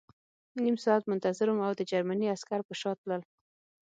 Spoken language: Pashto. نیم ساعت منتظر وم او د جرمني عسکر په شا تلل